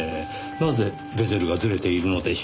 なぜベゼルがずれているのでしょう。